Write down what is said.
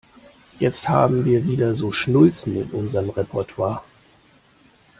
Jetzt haben wir wieder so Schnulzen in unserem Repertoir.